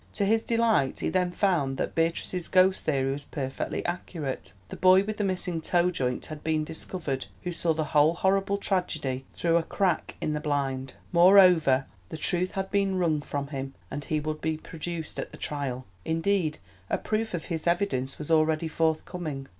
To his delight he then found that Beatrice's ghost theory was perfectly accurate; the boy with the missing toe joint had been discovered who saw the whole horrible tragedy through a crack in the blind; moreover the truth had been wrung from him and he would be produced at the trial—indeed a proof of his evidence was already forthcoming.